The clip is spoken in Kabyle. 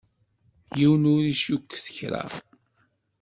Yiwen ur icukket kra.